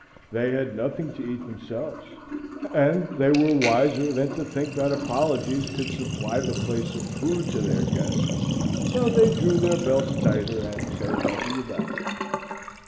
They had nothing to eat themselves, and they were wiser than to think that apologies could supply the place of food to their guests; so they drew their belts tighter and said nothing about it.